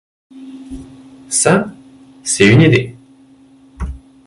Ça, c'est une idée!